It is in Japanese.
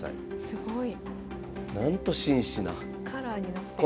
すごい。